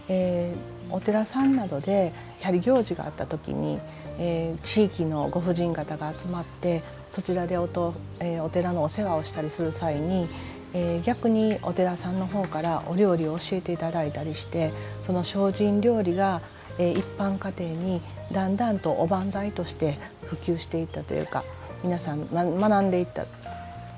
お寺さんなどでやはり行事があった時に地域のご婦人方が集まってそちらでお寺のお世話をしたりする際に逆にお寺さんの方からお料理を教えて頂いたりしてその精進料理が一般家庭にだんだんとおばんざいとして普及していったというか皆さん学んでいった。